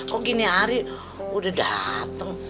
kok gini hari udah datang